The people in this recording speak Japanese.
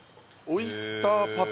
オイスターパテ。